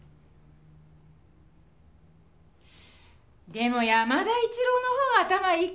でも山田一郎のほうが頭いいか。